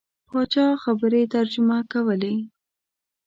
پاچا خبرې ترجمه کولې.